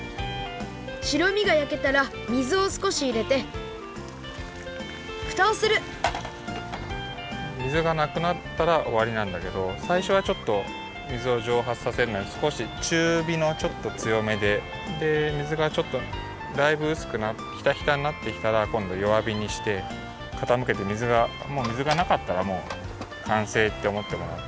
しろみがやけたら水をすこしいれてふたをする水がなくなったらおわりなんだけどさいしょはちょっと水をじょうはつさせるのにすこしちゅうびのちょっとつよめで水がちょっとだいぶうすくひたひたになってきたらこんどよわびにしてかたむけてもう水がなかったらもうかんせいっておもってもらって。